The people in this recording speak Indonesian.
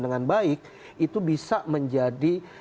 dengan baik itu bisa menjadi